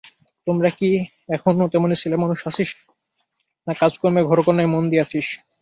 তোরা কি এখনো তেমনি ছেলেমানুষ আছিস, না কাজকর্মে ঘরকন্নায় মন দিয়াছিস?